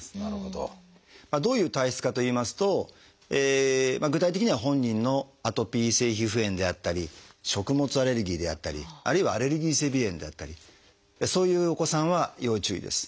どういう体質かといいますと具体的には本人のアトピー性皮膚炎であったり食物アレルギーであったりあるいはアレルギー性鼻炎であったりそういうお子さんは要注意です。